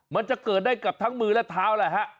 มันจะเกิดได้กับทั้งมือและเท้าแหละฮะ